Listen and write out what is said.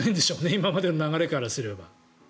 今までの流れからすれば。